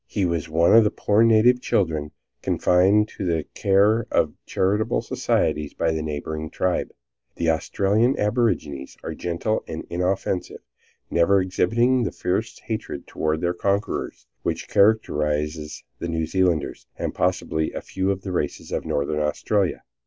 He was one of the poor native children confided to the care of charitable societies by the neighboring tribes. The Australian aborigines are gentle and inoffensive, never exhibiting the fierce hatred toward their conquerors which characterizes the New Zealanders, and possibly a few of the races of Northern Australia.